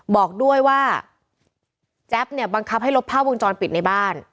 บอกด้วยว่าแจ๊บเนี่ยบังคับให้ลบภาพวงจรปิดในบ้าน